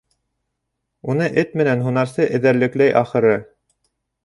Уны эт менән һунарсы эҙәрлекләй, ахыры.